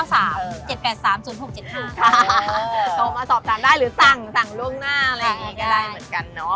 ค่ะสอบสั่งได้หรือสั่งสั่งล่วงหน้าอะไรอย่างนี้ก็ได้เหมือนกันเนอะ